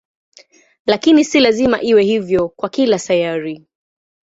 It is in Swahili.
Lakini si lazima iwe hivyo kwa kila sayari.